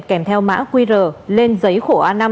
kèm theo mã qr lên giấy khổ a năm